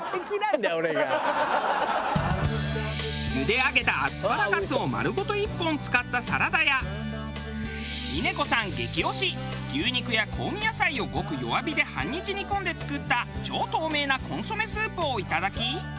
茹で上げたアスパラガスを丸ごと１本使ったサラダや峰子さん激推し牛肉や香味野菜をごく弱火で半日煮込んで作った超透明なコンソメスープをいただき